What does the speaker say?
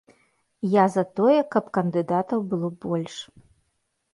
Я за тое, каб кандыдатаў было больш.